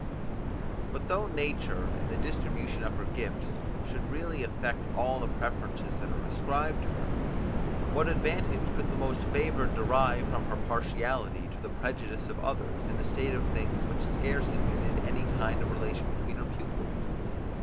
But though nature in the distribution of her gifts should really affect all the preferences that are ascribed to her, what advantage could the most favoured derive from her partiality, to the prejudice of others, in a state of things, which scarce admitted any kind of relation between her pupils?